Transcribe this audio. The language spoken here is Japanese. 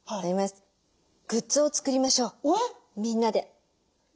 グッズを作りましょうみんなで。